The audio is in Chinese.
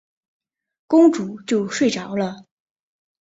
公主就睡着了。